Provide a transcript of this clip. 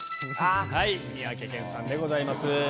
はい三宅健さんでございます。